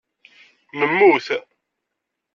Nemmut.